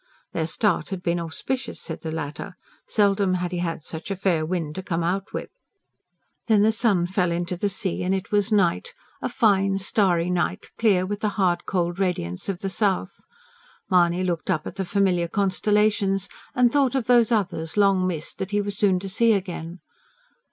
Their start had been auspicious, said the latter; seldom had he had such a fair wind to come out with. Then the sun fell into the sea and it was night a fine, starry night, clear with the hard, cold radiance of the south. Mahony looked up at the familiar constellations and thought of those others, long missed, that he was soon to see again.